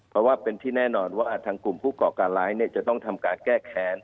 เพราะว่าเป็นที่แน่นอนว่าทางกลุ่มผู้ก่อการร้ายจะต้องทำการแก้แค้น